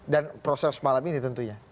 dan proses malam ini tentunya